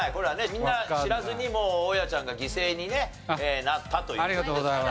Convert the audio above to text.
みんな知らずに大家ちゃんが犠牲にねなったという事ですから。